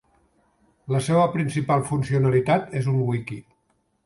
La seva principal funcionalitat és un wiki.